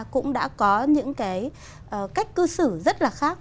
cũng đã có những cái cách cư xử rất là khác